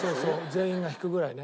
全員が引くぐらいね。